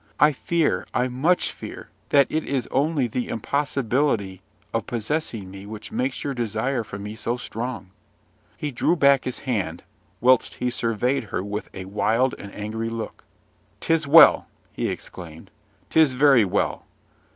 I fear, I much fear, that it is only the impossibility of possessing me which makes your desire for me so strong." He drew back his hand, whilst he surveyed her with a wild and angry look. "'Tis well!" he exclaimed, "'tis very well!